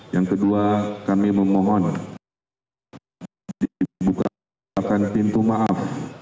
yang kedua kami memohon dibuka merupakan pintu maaf